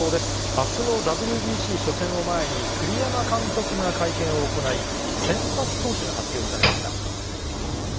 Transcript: あすのＷＢＣ初戦を前に、栗山監督が会見を行い、先発投手が発表されました。